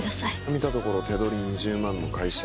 見たところ手取り２０万の会社員。